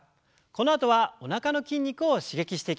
このあとはおなかの筋肉を刺激していきます。